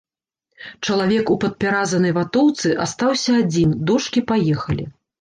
Чалавек у падпяразанай ватоўцы астаўся адзін, дошкі паехалі.